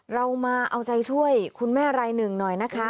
เรามาเอาใจช่วยคุณแม่รายหนึ่งหน่อยนะคะ